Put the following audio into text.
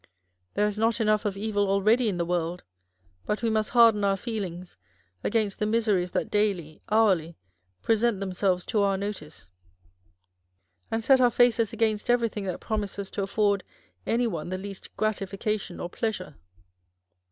There is not enough of evil already in the world, but we must harden our feelings against the miseries that daily, hourly, present themselves to our notice, and set our faces against everything that promises to afford any one the least grati fication or pleasure.